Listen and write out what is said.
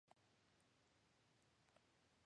てえがいた、稗史的な娘の絵姿のような感じだった。